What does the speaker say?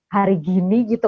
hari gini gitu